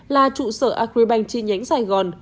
là trụ sở agribank chi nhánh sài gòn